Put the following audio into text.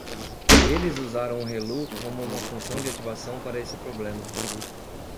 Eles usaram o relu como uma função de ativação para esse problema.